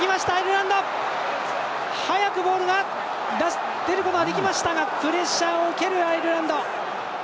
速くボールを出すことはできましたがプレッシャーを受けるアイルランド。